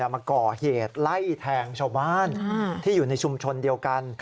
มาก่อเหตุไล่แทงชาวบ้านที่อยู่ในชุมชนเดียวกัน